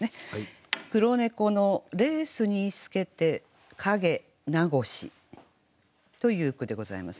「黒猫のレースに透けて影和し」という句でございます。